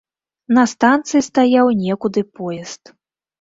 На станцыі стаяў некуды поезд.